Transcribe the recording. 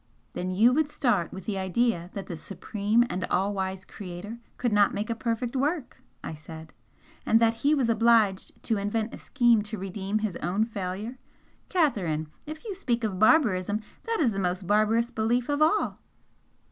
"Then you would start with the idea that the supreme and all wise Creator could not make a perfect work!" I said "And that He was obliged to invent a scheme to redeem His own failure! Catherine, if you speak of barbarism, this is the most barbarous belief of all!"